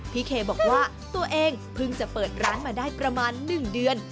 เคบอกว่าตัวเองเพิ่งจะเปิดร้านมาได้ประมาณ๑เดือน